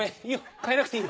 替えなくていい。